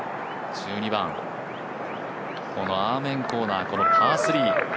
１２番、このアーメンコーナーパー３。